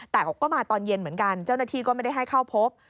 แต่เขาก็มาตอนเย็นเหมือนกันเจ้าหน้าที่ก็ไม่ได้ให้เข้าพบ